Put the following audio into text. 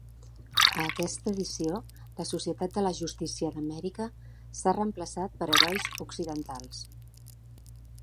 A aquesta edició, la "Societat de la Justícia d'Amèrica" s'ha reemplaçat per herois occidentals.